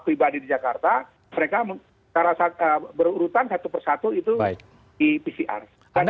nah itu juga berurutan satu persatu itu di pcr